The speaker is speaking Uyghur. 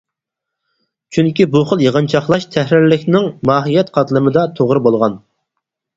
چۈنكى بۇ خىل يىغىنچاقلاش تەھرىرلىكنىڭ ماھىيەت قاتلىمىدا توغرا بولغان.